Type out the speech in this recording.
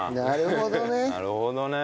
なるほどね。